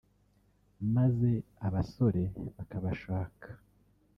maze abasore bakabashaka